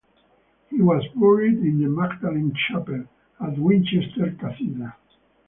He was buried in the Magdalen Chapel at Winchester Cathedral.